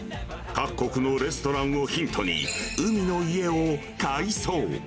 各国のレストランをヒントに、海の家を改装。